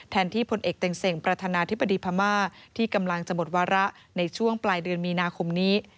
ที่พลเอกเต็งเซ็งประธานาธิบดีพม่าที่กำลังจะหมดวาระในช่วงปลายเดือนมีนาคมนี้